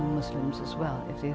ada muslim membunuh muslim juga